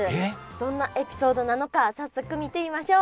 どんなエピソードなのか早速見てみましょう。